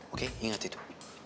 oke ingat itu